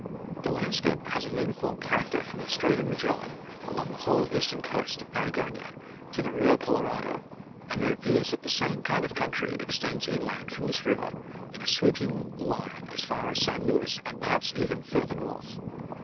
The landscape has a uniform character from the Strait of Magellan, along the whole eastern coast of Patagonia, to the Rio Colorado; and it appears that the same kind of country extends inland from this river, in a sweeping line as far as San Luis and perhaps even further north.